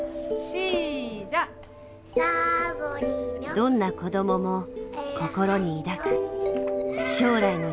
どんな子どもも心に抱く将来の夢。